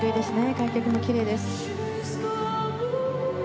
開脚もきれいです。